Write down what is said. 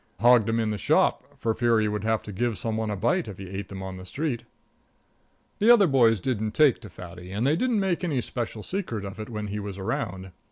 Hogged 'em in the shop, for fear he would have to give some one a bite if he ate them on the street. The other boys didn't take to Fatty, and they didn't make any special secret of it when he was around.